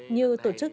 như tổ chức